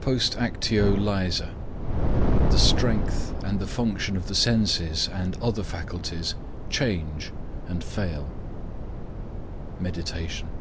POST ACTIO LÆSA. The Strength and the function of the senses, and other faculties, change and fail. II. MEDITATION.